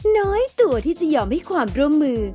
น้อยตัวที่จะยอมให้ความร่วมมือ